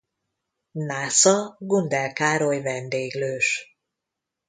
Násza Gundel Károly vendéglős.